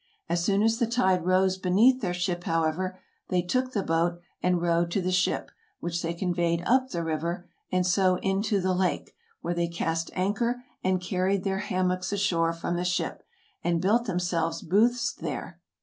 As soon as the tide rose beneath their ship, however, they took the boat and rowed to the ship, which they conveyed up the river, and so into the lake, where they cast anchor and carried their ham mocks ashore from the ship, and built themselves booths there.